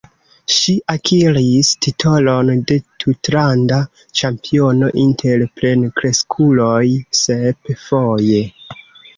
Ŝi akiris titolon de tutlanda ĉampiono inter plenkreskuloj sep foje.